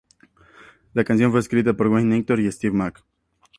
La canción fue escrita por Wayne Hector y Steve Mac.